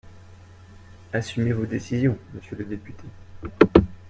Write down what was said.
Assumez vos décisions, monsieur le député